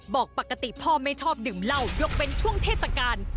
บอกปกติพ่อไม่ชอบดื่มเหล้ายกเว้นช่วงเทศกาล